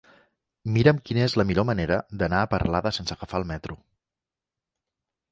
Mira'm quina és la millor manera d'anar a Peralada sense agafar el metro.